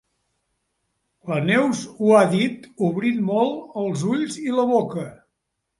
La Neus ho ha dit obrint molt els ulls i la boca.